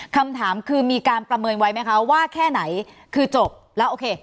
คำถามคือมีการประเมินไว้ไหมคะว่าแค่ไหนคือจบแล้วโอเค